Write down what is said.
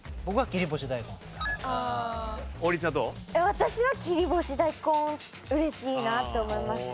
私は切り干し大根嬉しいなって思います。